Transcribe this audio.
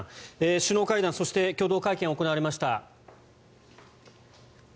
首脳会談、そして共同会見行われました。